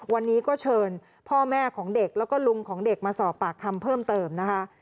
วันนี้ก็เชิญพ่อแม่ของเด็กแล้วก็ลุงของเด็กมาสอบปากคำเพิ่มเติมนะคะ